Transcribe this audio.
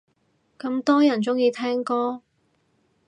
咁多人鍾意聽歌